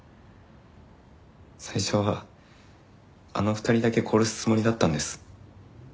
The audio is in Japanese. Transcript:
最初はあの２人だけ殺すつもりだったんです。